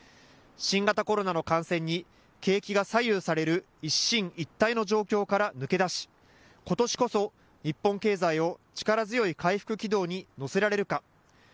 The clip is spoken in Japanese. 新型コロナの感染に景気が左右される一進一退の状況から抜け出しことしこそ日本経済を力強い回復軌道に乗せられるか。